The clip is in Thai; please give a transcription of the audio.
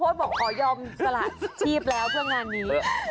ข้อโฟชน์บอกขอยอมสละชีพแล้วเพื่อนงานนี้